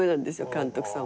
監督さんはね。